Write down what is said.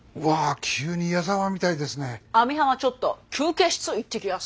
ちょっと休憩室行ってきやす！